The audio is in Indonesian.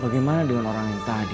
bagaimana dengan orang yang tadi